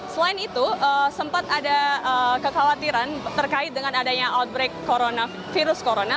selain itu sempat ada kekhawatiran terkait dengan adanya outbreak virus corona